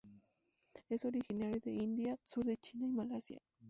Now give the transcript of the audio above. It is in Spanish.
Es Originario de India, sur de China y Malasia.